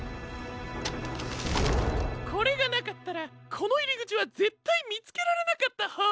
これがなかったらこのいりぐちはぜったいみつけられなかったホォー。